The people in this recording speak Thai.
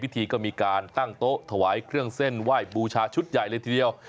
พิธีก็มีการตั้งโต๊ะถวายเครื่องเส้นไหว้บูชาชุดใหญ่เลยทีเดียว